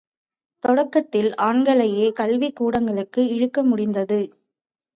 தொடக்கத்தில் ஆண்களையே கல்விக் கூடங்களுக்கு இழுக்க முடிந்தது.